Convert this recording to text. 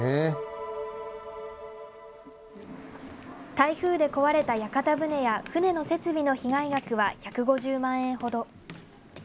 台風で壊れた屋形船や船の設備の被害額は１５０万円ほど。